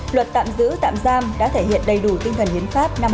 luật tạm giữ tạm giam đã thể hiện đầy đủ tinh thần hiến pháp năm hai nghìn một mươi